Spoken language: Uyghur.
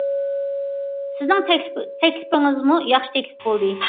سىزنىڭ تەكلىپىڭىزمۇ ياخشى تەكلىپ بولدى.